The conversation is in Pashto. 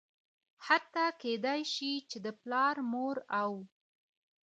حتا کيدى شي چې د پلار ،مور او